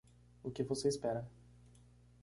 O que você espera